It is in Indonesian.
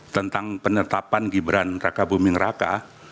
tentang penetapan gibran raka buming raka